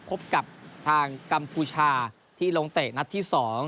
พบกับทางกัมพูชาที่ลงเตะนัดที่๒